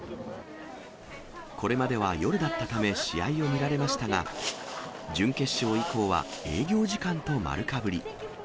これまでは夜だったため試合を見られましたが、準決勝以降は、営業時間と丸かぶり。